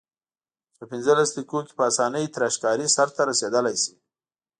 په پنځلس دقیقو کې په اسانۍ تراشکاري سرته رسیدلای شي.